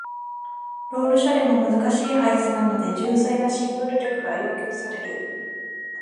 ロール処理も難しい配置なので純粋なシングル力が要求される。一方、技術要素は他の超難関の譜面に比べやや劣り、個人差では難関クラスとも言える。